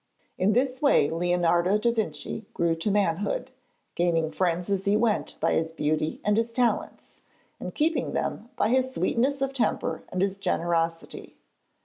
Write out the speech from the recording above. In this way Leonardo da Vinci grew to manhood, gaining friends as he went by his beauty and his talents, and keeping them by his sweetness of temper and his generosity.